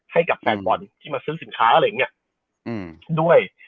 ให้กับแฟนบอลที่มาซื้อสินค้าอะไรอย่างนี้ด้วย